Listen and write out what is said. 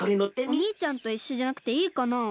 おにいちゃんといっしょじゃなくていいかなあ。